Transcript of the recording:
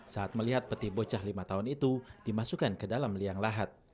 saat melihat peti bocah lima tahun itu dimasukkan ke dalam liang lahat